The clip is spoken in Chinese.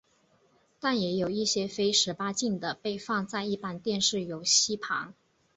但也有一些非十八禁的被放在一般电视游戏旁。